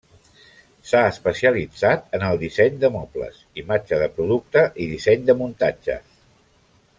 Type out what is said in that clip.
S'ha especialitzat en el disseny de mobles, imatge de producte i disseny de muntatges.